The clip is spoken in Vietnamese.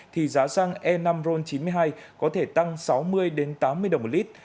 thì giá xăng e năm ron chín mươi hai có thể tăng sáu mươi tám mươi đồng một lít